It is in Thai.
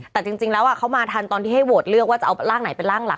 แต่จริงแล้วเขามาทันตอนที่ให้โหวตเลือกว่าจะเอาร่างไหนเป็นร่างหลัก